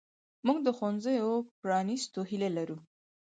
موږ د ښوونځیو پرانیستو هیله لرو.